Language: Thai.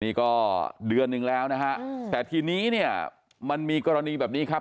นี่ก็เดือนหนึ่งแล้วนะฮะแต่ทีนี้เนี่ยมันมีกรณีแบบนี้ครับ